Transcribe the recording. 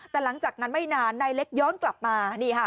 แต่หลังจากนั้นไม่นานนายเล็กย้อนกลับมา